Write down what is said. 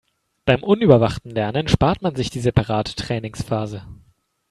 Beim unüberwachten Lernen spart man sich die separate Trainingsphase.